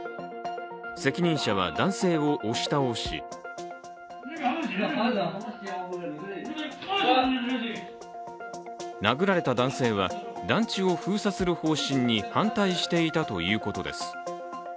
責任者は男性を押し倒し殴られた男性は、団地を封鎖する方針に反対していたということです。